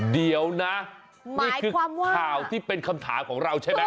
เดี๋ยวนะนี่คือข่าวที่เป็นคำถามของเราใช่ไหม